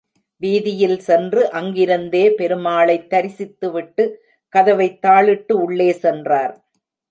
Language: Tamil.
வீதியில் சென்று அங்கிருந்தே பெருமாளைத் தெரிசித்துவிட்டு கதவைத் தாளிட்டு உள்ளே சென்றார்.